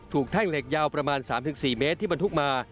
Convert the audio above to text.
แท่งเหล็กยาวประมาณ๓๔เมตรที่บรรทุกมา